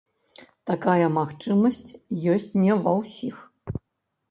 Такая магчымасць ёсць не ва ўсіх.